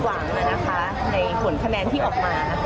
หวังนะคะในผลคะแนนที่ออกมา